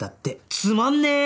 つまんねえ！